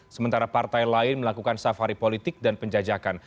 sementara partai lain melakukan safari politik dan penjajakan